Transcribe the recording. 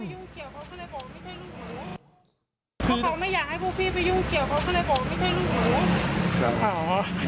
เพราะเขาไม่อยากให้พวกพี่ไปยุ่งเกี่ยวเขาเข้าในบอกว่าไม่ใช่ลูกหนู